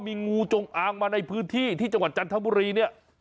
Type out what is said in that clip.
มีงูจงอางมาในพื้นที่ที่จังหวัดจันทบุรีเนี่ย